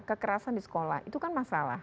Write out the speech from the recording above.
kekerasan di sekolah itu kan masalah